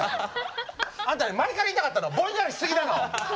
あんたね前から言いたかったのぼんやりしすぎなの！